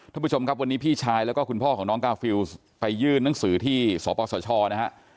ท่านผู้ชมครับวันนี้พี่ชายแล้วก็คุณพ่อของน้องกาฟิลไปยื่นหนังสือที่สปสชนะฮะ